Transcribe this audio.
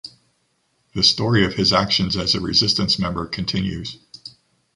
The story of his actions as a resistance member continues.